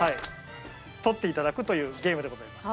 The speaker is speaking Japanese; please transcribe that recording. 取っていただくというゲームでございます。